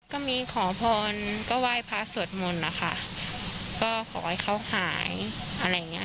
ก็มีขอพรก็ไหว้พระสวดมนต์นะคะก็ขอให้เขาหายอะไรอย่างเงี้ย